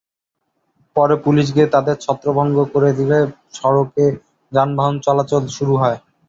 পরে পুলিশ গিয়ে তাঁদের ছত্রভঙ্গ করে দিলে সড়কে যানচলাচল শুরু হয়।